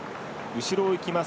後ろをいきます